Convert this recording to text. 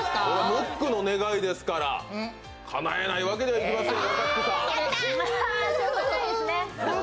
ムックの願いですから、かなえないわけにはいきませんよ。